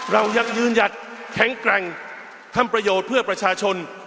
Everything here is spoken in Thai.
เรายังยืนหยัดแข็งแกร่งทำประโยชน์เพื่อประชาชน